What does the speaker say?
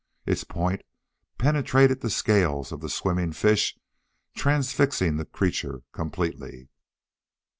Its point penetrated the scales of the swimming fish, transfixing the creature completely.